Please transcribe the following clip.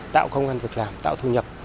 tạo công an vực làm tạo thu nhập